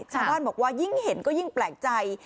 ชาวบ้านบอกว่ายิ่งเห็นก็ยิ่งแปลกใจ